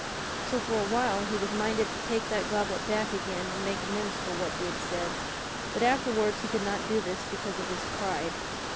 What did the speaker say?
So for a while he was minded to take that goblet back again and make amends for what he had said; but afterward he could not do this because of his pride.